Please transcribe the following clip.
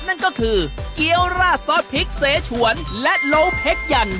นั่นก็คือเกี้ยวราดซอสพริกเสฉวนและโลเพ็กยัน